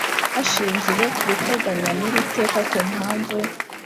Hashingiwe ku biteganywa n iri teka ku mpamvu